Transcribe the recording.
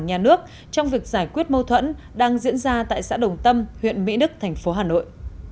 nhà nước trong việc giải quyết mâu thuẫn đang diễn ra tại xã đồng tâm huyện mỹ đức thành phố hà nội